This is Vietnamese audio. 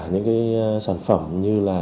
những cái sản phẩm như là